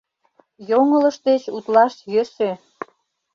Йоҥылыш деч утлаш йӧсӧ.